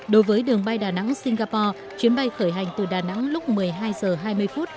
đối với đường bay đà nẵng singapore chuyến bay khởi hành từ đà nẵng lúc một mươi hai h hai mươi phút